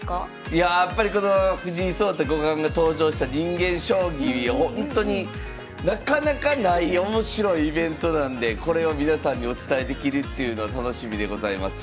いややっぱりこの藤井聡太五冠が登場した人間将棋ほんとになかなかない面白いイベントなんでこれを皆さんにお伝えできるっていうのは楽しみでございます。